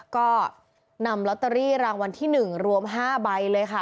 ก็นำลอตเตอรี่รางวัลที่๑รวม๕ใบเลยค่ะ